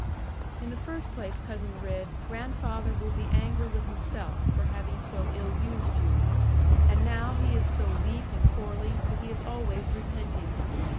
'In the first place, Cousin Ridd, grandfather will be angry with himself, for having so ill used you. And now he is so weak and poorly, that he is always repenting.